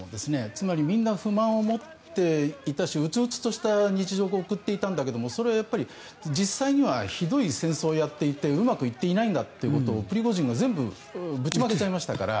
つまりみんな不満を持っていたしうつうつとした日常を送っていたんだけどもそれは実際にはひどい戦争をやっていてうまくいっていないんだということをプリゴジンは全部ぶちまけちゃいましたから。